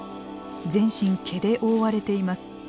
全身毛で覆われています。